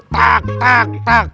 tak tak tak